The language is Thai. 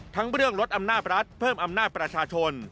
เรื่องลดอำนาจรัฐเพิ่มอำนาจประชาชน